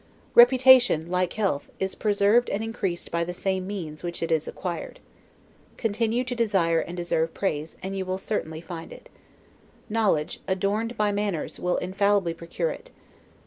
Reputation, like health, is preserved and increased by the same means by which it is acquired. Continue to desire and deserve praise, and you will certainly find it. Knowledge, adorned by manners, will infallibly procure it.